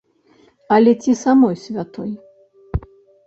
Але ці самой святой?